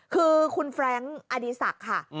คือคุณแฟรงค์อดีศักดิ์ค่ะ